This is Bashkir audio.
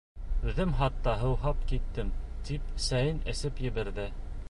Үҙем хатта һыуһап киттем, -тип сәйен эсеп ебәрҙе.